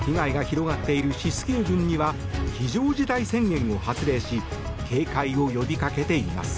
被害が広がっているシスキュー群には非常事態宣言を発令し警戒を呼びかけています。